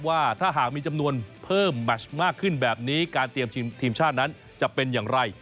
ว่าถ้าหากมีจำนวนเพิ่มแมชมากขึ้นแบบนี้การเตรียมทีมชาตินั้นจะเป็นอย่างไร